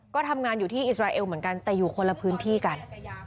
ก็ทำงานอยู่ที่อิสราเอลเหมือนกันแต่อยู่คนละพื้นที่กัน